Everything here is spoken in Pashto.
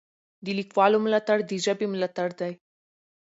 د لیکوالو ملاتړ د ژبې ملاتړ دی.